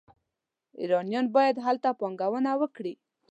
ایرانیان باید هلته پانګونه وکړي.